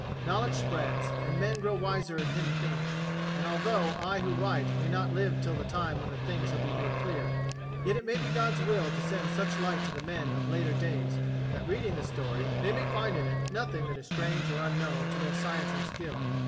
Knowledge spreads, and men grow wiser in hidden things; and although I who write may not live till the time when the thing shall be made clear, yet it may be God's will to send such light to the men of later days that, reading this story, they may find in it nothing that is strange or unknown to their science and skill.